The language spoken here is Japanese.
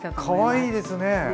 かわいいですね！